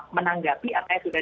menanggapi apa yang sudah